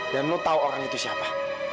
dan lo tahu orang itu siapa